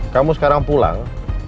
kamu sekarang pulang